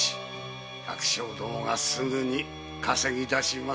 百姓どもがすぐに稼ぎだしますよ。